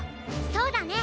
そうだね！